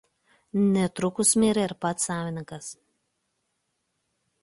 Netrukus mirė ir pats savininkas.